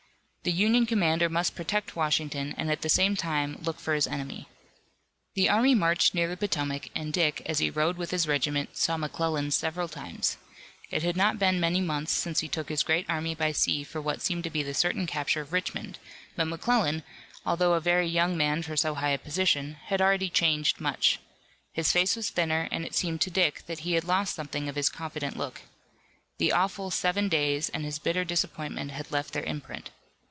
The Union commander must protect Washington and at the same time look for his enemy. The army marched near the Potomac, and Dick, as he rode with his regiment, saw McClellan several times. It had not been many months since he took his great army by sea for what seemed to be the certain capture of Richmond, but McClellan, although a very young man for so high a position, had already changed much. His face was thinner, and it seemed to Dick that he had lost something of his confident look. The awful Seven Days and his bitter disappointment had left their imprint.